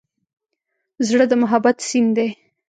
زړه د محبت سیند دی.